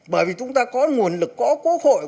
bởi vì chúng ta có nguồn lực có quốc hội